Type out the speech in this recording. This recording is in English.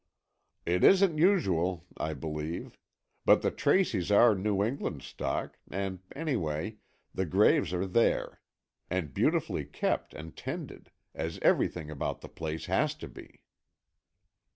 "It isn't usual, I believe. But the Tracys are New England stock, and, anyway, the graves are there. And beautifully kept and tended, as everything about the place has to be."